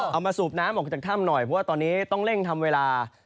มาสูบน้ำออกจากถ้ำหน่อยเพราะว่าตอนนี้ต้องเร่งทำเวลา